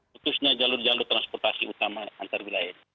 putusnya jalur jalur transportasi utama antar wilayah